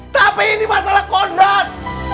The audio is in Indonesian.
tapi ini masalah kondat